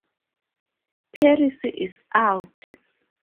Paris Is Out!